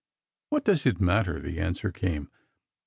"What does it matter?" the answer came.